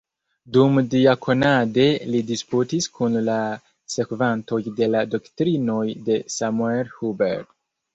Dumdiakonade li disputis kun la sekvantoj de la doktrinoj de Samuel Huber.